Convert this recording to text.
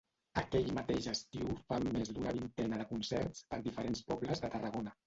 Aquell mateix estiu fan més d'una vintena de concerts per diferents pobles de Tarragona.